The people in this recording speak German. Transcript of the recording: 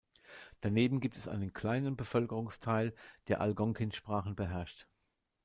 Daneben gibt es einen kleinen Bevölkerungsteil, der Algonkin-Sprachen beherrscht.